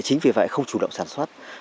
chính vì vậy không chủ động sản xuất